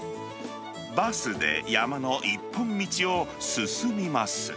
バスで山の一本道を進みます。